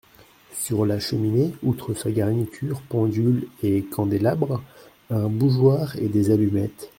Sur la cheminée, outre sa garniture pendule et candélabres , un bougeoir et des allumettes.